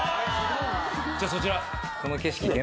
じゃあそちら。